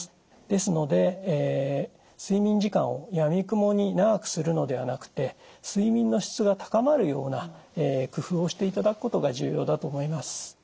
ですので睡眠時間をやみくもに長くするのではなくて睡眠の質が高まるような工夫をしていただくことが重要だと思います。